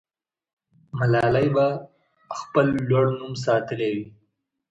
ملالۍ به خپل لوړ نوم ساتلی وي.